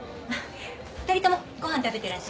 ２人ともご飯食べてらっしゃい。